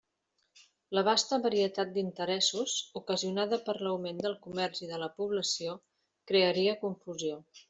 La vasta varietat d'interessos, ocasionada per l'augment del comerç i de la població, crearia confusió.